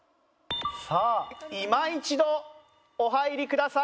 さあ今一度お入りください。